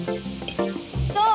どう？